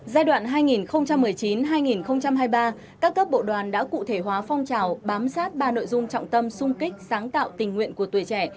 giai đoạn hai nghìn một mươi chín hai nghìn hai mươi ba các cấp bộ đoàn đã cụ thể hóa phong trào bám sát ba nội dung trọng tâm sung kích sáng tạo tình nguyện của tuổi trẻ